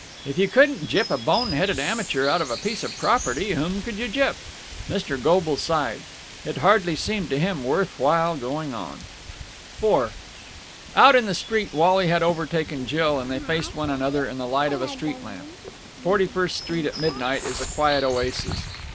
If you couldn't gyp a bone headed amateur out of a piece of property, whom could you gyp? Mr. Goble sighed. It hardly seemed to him worth while going on. IV Out in the street Wally had overtaken Jill, and they faced one another in the light of a street lamp. Forty first Street at midnight is a quiet oasis.